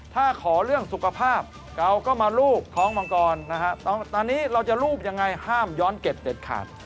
ถ้าขอเรื่องสุขภาพเราก็มารูปท้องมังกรนะฮะตอนนี้เราจะรูปยังไงห้ามย้อนเก็บเด็ดขาด